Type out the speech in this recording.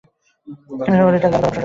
সকলেই তার গানের গলার প্রশংসা করে।